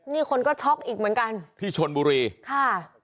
นี่คนก็ช็อกอีกเหมือนกันที่ชนบุรีค่ะ